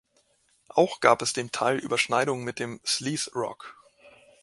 Auch gab es zum Teil Überschneidungen mit dem Sleaze Rock.